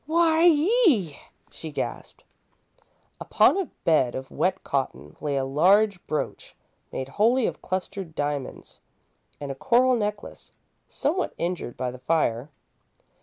"Why ee!" she gasped. Upon a bed of wet cotton lay a large brooch, made wholly of clustered diamonds, and a coral necklace, somewhat injured by the fire.